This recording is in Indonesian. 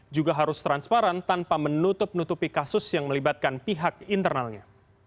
juga harus transparan tanpa menutup nutupi kasus yang melibatkan pihak internalnya